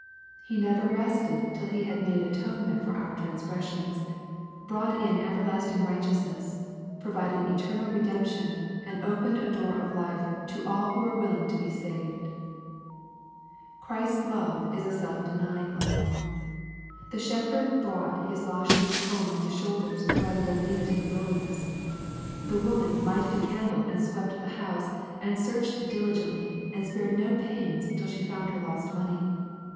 He never rested till He had made atonement for our transgressions, brought in everlasting righteousness, provided eternal redemption, and opened a door of life to all who are willing to be saved. Christ's love is a self denying love. The shepherd brought his lost sheep home on his own shoulders rather than leave it in the wilderness. The woman lighted a candle, and swept the house, and searched diligently, and spared no pains, till she found her lost money.